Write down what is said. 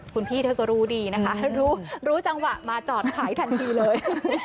คุณพี่เธอก็รู้ดีนะคะรู้จังหวะมาจอดขายทันทีเลย